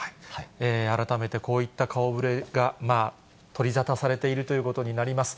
改めてこういった顔ぶれが、取り沙汰されているということになります。